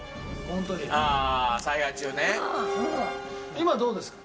今どうですか？